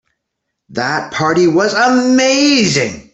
That party was amazing.